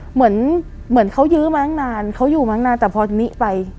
เหมือนเขายื้อมานานเขาอยู่มานานแต่พอนี้ไป